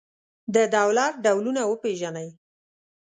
د دولت ډولونه وپېژنئ.